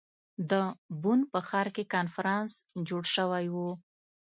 د بن په ښار کې کنفرانس جوړ شوی ؤ.